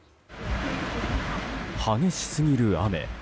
激しすぎる雨。